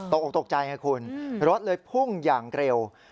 ออกตกใจไงคุณรถเลยพุ่งอย่างเร็ว